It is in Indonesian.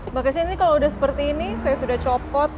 mbak kesen ini kalau sudah seperti ini saya sudah copot